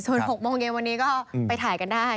ส่วน๖โมงเย็นวันนี้ก็ไปถ่ายกันได้